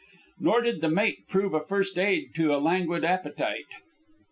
Nor did the mate prove a first aid to a languid appetite.